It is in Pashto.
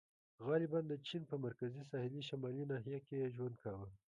• غالباً د چین په مرکزي ساحلي شمالي ناحیه کې یې ژوند کاوه.